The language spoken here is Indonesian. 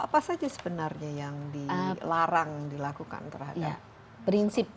apa saja sebenarnya yang dilarang dilakukan terhadap binatang teriak